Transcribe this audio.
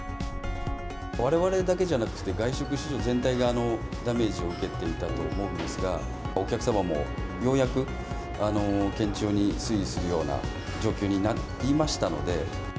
われわれだけじゃなくて、外食市場全体がダメージを受けていたと思うんですが、お客様もようやく堅調に推移するような状況になりましたので。